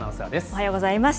おはようございます。